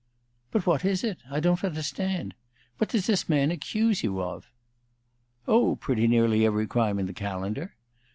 "But what is it? I don't understand. What does this man accuse you of?" "Oh, pretty nearly every crime in the calendar."